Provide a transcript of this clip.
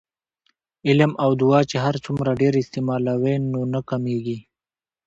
علم او دعاء چې هرڅومره ډیر استعمالوې نو نه کمېږي